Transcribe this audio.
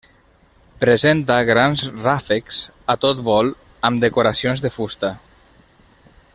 Presenta grans ràfecs a tot vol amb decoracions de fusta.